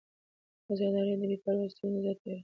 اداري بې پروایي ستونزې زیاتوي